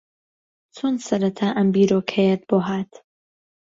چۆن سەرەتا ئەم بیرۆکەیەت بۆ ھات؟